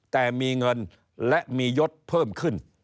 แต่มีเงินและมียศเพิ่มขึ้น